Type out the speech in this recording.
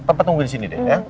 cepet nungguin disini deh ya